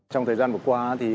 trong thời gian vừa qua